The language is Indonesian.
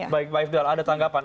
baik pak ifdal ada tanggapan